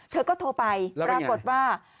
เธอก็โทรไปแล้วก็บอกว่า